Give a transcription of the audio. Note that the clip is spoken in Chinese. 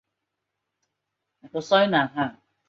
此外也是一种受欢迎的园艺植物。